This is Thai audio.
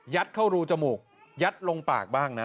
เข้ารูจมูกยัดลงปากบ้างนะ